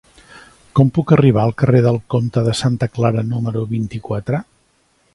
Com puc arribar al carrer del Comte de Santa Clara número vint-i-quatre?